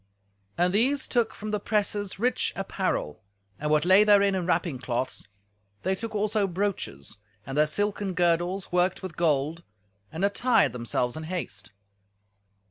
And these took from the presses rich apparel, and what lay therein in wrapping cloths; they took also brooches, and their silken girdles worked with gold, and attired themselves in haste.